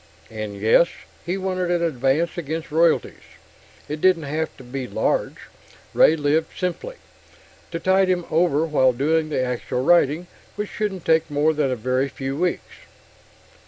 And yes, he wanted an advance against royalties it didn't have to be large; Ray lived simply to tide him over while doing the actual writing, which shouldn't take more than a very few weeks.